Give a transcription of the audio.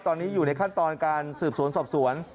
ตอนนี้อยู่ในขั้นตอนการสืบสวนสอบสวน